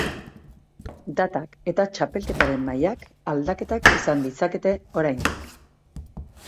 Datak eta txapelketaren mailak aldaketak izan ditzakete oraindik.